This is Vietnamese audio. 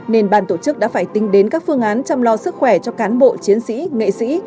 nên ban tổ chức đã phải tính đến các phương án chăm lo sức khỏe cho cán bộ chiến sĩ nghệ sĩ